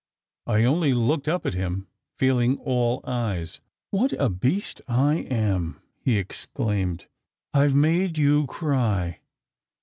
I only looked up at him, feeling all eyes. " What a beast I am!" he exclaimed. "I ve made you cry!"